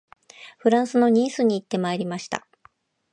フランスのニースに行ってまいりました